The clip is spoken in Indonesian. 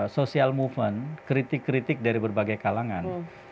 social movement kritik kritik dari berbagai kalangan